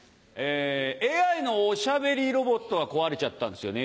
ＡＩのおしゃべりロボットが壊れちゃったんですよね。